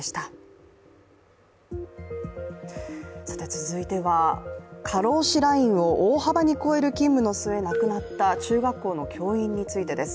続いては、過労死ラインを大幅に超える勤務の末亡くなった中学校の教員についてです。